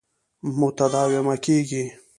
متداومه کېږي.